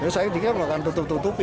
saya juga bukan tutup tutupi